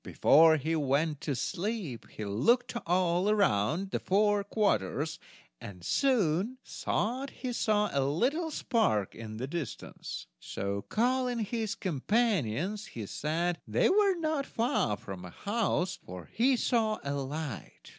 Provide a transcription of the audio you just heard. Before he went to sleep he looked all round the four quarters, and soon thought he saw a little spark in the distance; so, calling his companions, he said they were not far from a house, for he saw a light.